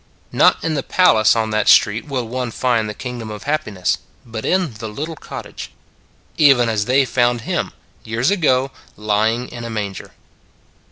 Not in the palace on that street will one find the Kingdom of Happiness : but in the little cottage. Even as they found Him, years ago, lying in a manger.